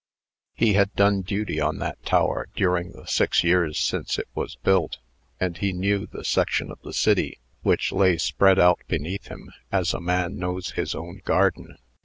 He had done duty on that tower during the six years since it was built; and he knew the section of the city which lay spread out beneath him as a man knows his own garden.